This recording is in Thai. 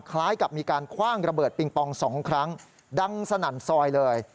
คล้ายกับมีการคว่างระเบิดปิงปอง๒ครั้งดังสนั่นซอยเลย